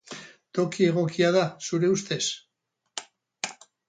Toki egokia da, zure ustez?